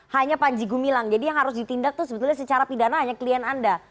hanya panji gumilang jadi yang harus ditindak itu sebetulnya secara pidana hanya klien anda